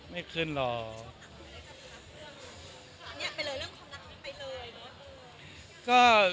ไม่ขึ้นหรอก